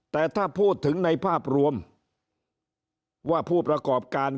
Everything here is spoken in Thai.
แต่ถ้าพูดถึงในภาพรวมว่าผู้ประกอบการ